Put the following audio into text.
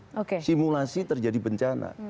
semoga tidak ada simulasi terjadi bencana